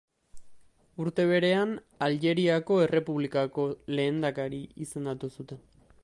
Urte berean, Aljeriako Errepublikako lehendakari izendatu zuten.